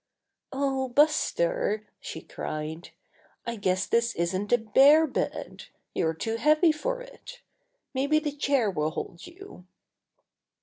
"Oh, Buster," she cried, "I guess this isn't a bear htdi. You're too heavy for it Maybe the chair will hold you."